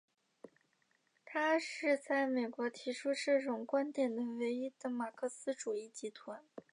它是在美国提出这种观点的唯一的马克思主义集团。